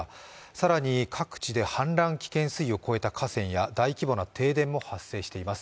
更に、各地で氾濫危険水位を越えた河川や大規模な停電も発生しています。